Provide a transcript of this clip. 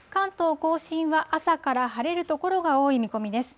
甲信は、朝から晴れる所が多い見込みです。